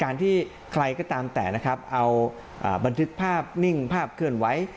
ที่ใครก็ตามแต่นะครับเอาบันทึกภาพนิ่งภาพเคลื่อนไว้